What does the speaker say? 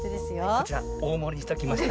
こちらおおもりにしときました。